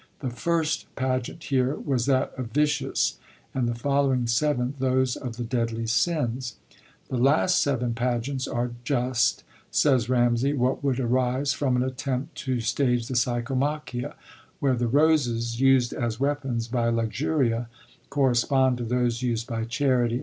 The first pageant, here, was that of 'Vicious,' and the following seven those of the deadly sins.* The last seven pageants are just, says Bamsay, what would arise from an attempt to stage the Psychomachia, where the roses used as weapons by Luxuria correspond to those used by Charity and Patience in the Castle > Ramsay, cxlviii.